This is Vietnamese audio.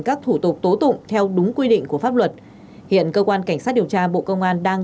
các thủ tục tố tụng theo đúng quy định của pháp luật hiện cơ quan cảnh sát điều tra bộ công an đang